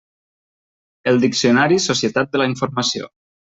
El Diccionari Societat de la informació.